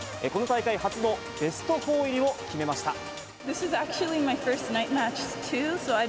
この大会初のベスト４入りを決めました。